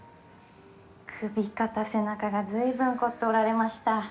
首肩背中が随分凝っておられました。